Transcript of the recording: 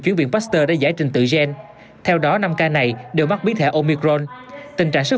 chuyển viện pasteur để giải trình tự gen theo đó năm ca này đều mắc biến thể omicron tình trạng sức